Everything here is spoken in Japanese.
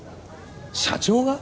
社長が！？